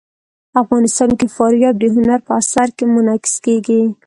افغانستان کې فاریاب د هنر په اثار کې منعکس کېږي.